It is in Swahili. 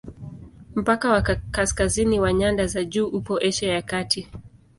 Mpaka wa kaskazini wa nyanda za juu upo Asia ya Kati.